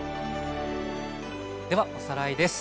ではおさらいです。